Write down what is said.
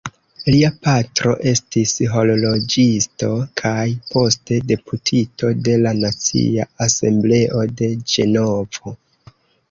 Lia patro estis horloĝisto kaj poste deputito de la Nacia Asembleo de Ĝenovo.